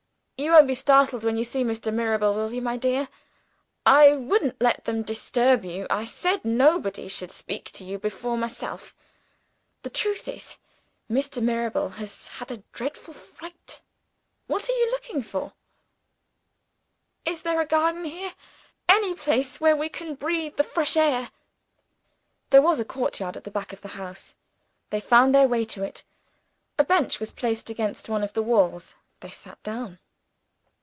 "You won't be startled when you see Mr. Mirabel will you, my dear? I wouldn't let them disturb you; I said nobody should speak to you but myself. The truth is, Mr. Mirabel has had a dreadful fright. What are you looking for?" "Is there a garden here? Any place where we can breathe the fresh air?" There was a courtyard at the back of the house. They found their way to it. A bench was placed against one of the walls. They sat down.